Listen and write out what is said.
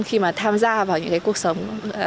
khi mà tham gia vào những cuộc sống